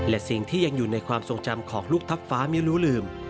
และสิ่งที่ยังอยู่ในความทรงจำของลูกทัพฟ้าไม่รู้ลืม